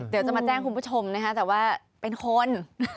เดี๋ยวจะมาแจ้งคุณผู้ชมนะคะแต่ว่าเป็นคน